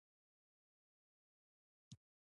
اوبزین معدنونه د افغانستان د کلتوري میراث برخه ده.